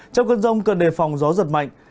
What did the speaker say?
trong cơn rông cần đề phòng gió giật mạnh